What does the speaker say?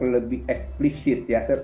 lebih eksplisit ya